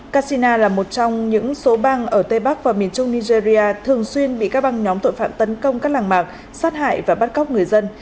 kasina là một trong những số bang ở tây bắc và miền trung nigeria thường xuyên bị các băng nhóm tội phạm tấn công các làng mạc sát hại và bắt cóc người dân